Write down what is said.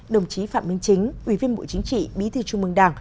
đồng chí phạm minh chính ủy viên bộ chính trị bí thư trung mương đảng